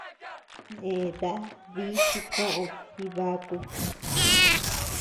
Nèta dí chi koʼöd Jibaku.